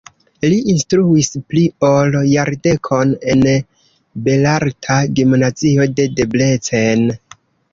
Li instruis pli ol jardekon en belarta gimnazio de Debrecen.